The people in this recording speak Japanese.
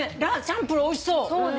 チャンプルーおいしそう！